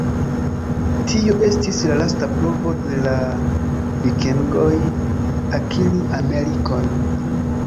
Tio estis la lasta provo de la vikingoj akiri Amerikon.